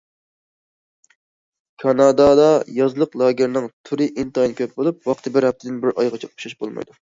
كانادادا يازلىق لاگېرنىڭ تۈرى ئىنتايىن كۆپ بولۇپ، ۋاقتى بىر ھەپتىدىن بىر ئايغىچە ئوخشاش بولمايدۇ.